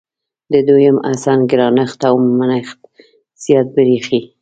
د دویم حسن ګرانښت او منښت زیات برېښي.